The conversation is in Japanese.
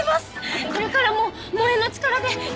これからも萌えの力で頑張ります！